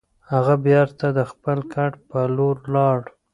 هغه بېرته د خپل کټ په لور لاړ.